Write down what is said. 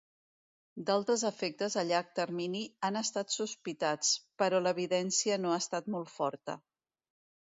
D’altres efectes a llarg termini han estat sospitats, però l'evidència no ha estat molt forta.